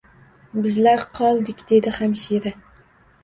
Bizlar qoldik, dedi hamshira